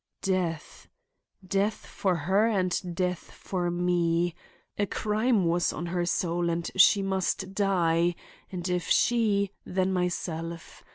"Death. Death for her and death for me! A crime was on her soul and she must die, and if she, then myself.